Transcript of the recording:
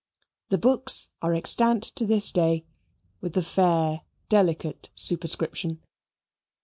The books are extant to this day, with the fair delicate superscription.